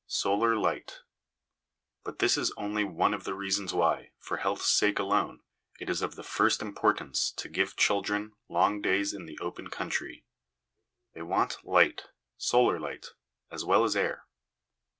Solar Light. But this is only one of the reasons why, for health's sake alone, it is of the first importance to give children long days in the open country. They want light, solar light, as well as air.